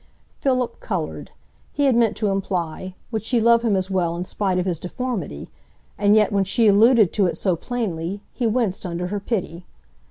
Philip coloured; he had meant to imply, would she love him as well in spite of his deformity, and yet when she alluded to it so plainly, he winced under her pity.